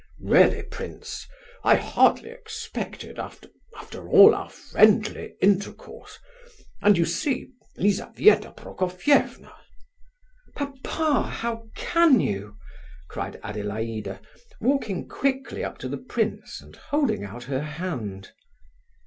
"Really, prince, I hardly expected after—after all our friendly intercourse—and you see, Lizabetha Prokofievna—" "Papa, how can you?" cried Adelaida, walking quickly up to the prince and holding out her hand.